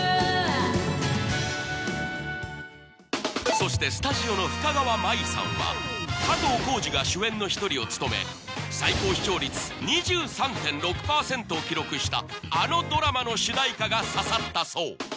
そしてスタジオの深川麻衣さんは加藤浩次が主演の一人を務め最高視聴率２３．６％を記録したあのドラマの主題歌が刺さったそう